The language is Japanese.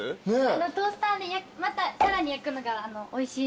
トースターでまたさらに焼くのがおいしい。